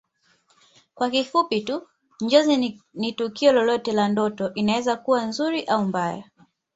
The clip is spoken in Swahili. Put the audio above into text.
Kwa kifupi tu Njozi ni tukio lolote la ndoto inaweza kuwa nzuri au mbaya